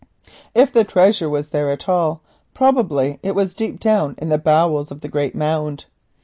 If the treasure was there at all, probably it was deep down in the bowels of the great mound.